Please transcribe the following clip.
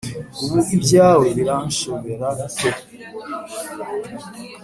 Ubu ibyawe biranshobera pee